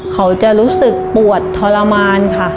เขาจะรู้สึกปวดทรมานค่ะ